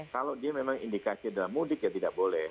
kalau dia memang indikasi dalam mudik ya tidak boleh